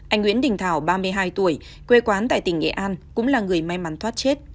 anh nguyễn đình thảo ba mươi hai tuổi quê quán tại tỉnh nghệ an cũng là người may mắn thoát chết